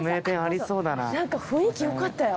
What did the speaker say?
雰囲気よかったよ。